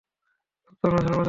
রক্ত না ঝরা পর্যন্ত খেলো!